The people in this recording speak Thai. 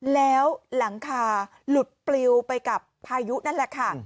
แล้วหลังคาหลุดปลิวไปกับพายุนั่นแหละค่ะ